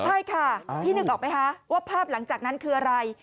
ใช่ค่ะพี่นึกออกไหมคะว่าภาพหลังจากนั้นคืออะไร